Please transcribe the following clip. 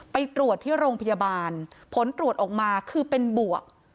ไปตรวจที่โรงพยาบาลผลตรวจออกมาคือเป็นบวก